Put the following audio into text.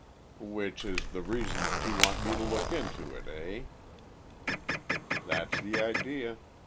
"Which is the reason that you want me to look into it, eh?" "That's the idea.